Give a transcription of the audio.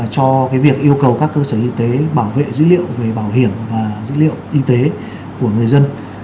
cho việc yêu cầu các cơ sở y tế bảo vệ dữ liệu về bảo hiểm và dữ liệu y tế của người dân